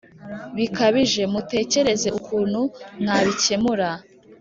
bikabije Mutekereze ukuntu mwabikemura